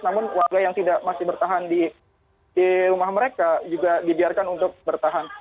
namun warga yang masih bertahan di rumah mereka juga dibiarkan untuk bertahan